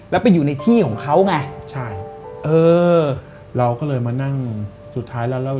แล้วไปอยู่ในที่ของเขาไงใช่เออเราก็เลยมานั่งสุดท้ายแล้วเรา